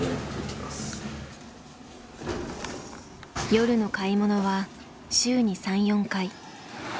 夜の買い物は週に３４回。